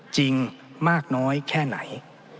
จริงมากน้อยแค่ไหน